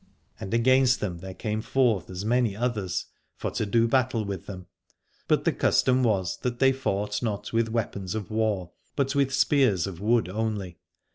131 Aladore And against them there came forth as many others, for to do battle with them : but the custom was that they fought not with weapons of war, but with spears of wood only.